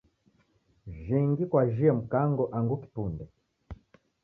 Jhingi kwajhie Mkango angu kipunde?